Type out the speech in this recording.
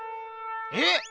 えっ！